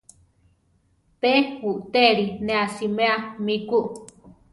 Pe uʼtéli ne asiméa mi ku.